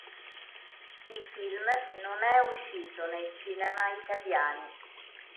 Il film non è uscito nei cinema italiani.